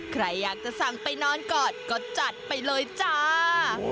ใครอยากจะสั่งไปนอนกอดก็จัดไปเลยจ้า